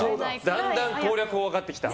だんだん攻略法が分かってきた。